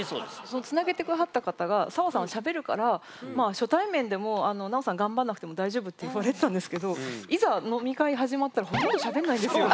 そのつなげて下さった方が澤さんはしゃべるからまあ初対面でも奈緒さん頑張んなくても大丈夫って言われてたんですけどいざ飲み会始まったらそうなんだ。